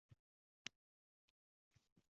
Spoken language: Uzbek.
Xonada uch kishi oʻtiribdi.